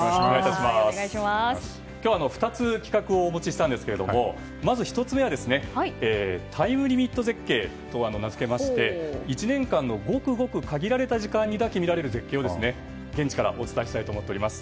今日は２つ企画をお持ちしたんですけどまず１つ目はタイムリミット絶景と名付けまして１年間のごくごく限られた時間にだけ見られる絶景を現地からお伝えしたいと思っております。